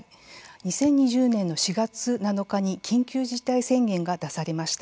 ２０２０年４月７日に緊急事態宣言が出されました。